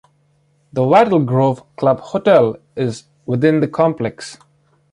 The Wattle Grove Club Hotel is within the complex.